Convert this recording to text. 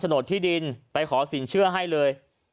โหนดที่ดินไปขอสินเชื่อให้เลย